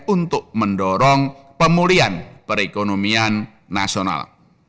untuk mendorong pemulihan perekonomian nasional